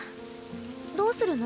どうするの？